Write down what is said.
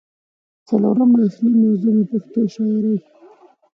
څلورمه اصلي موضوع مې پښتو شاعرۍ